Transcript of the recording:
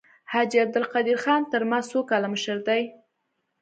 حاجي عبدالقدیر خان تر ما څو کاله مشر دی.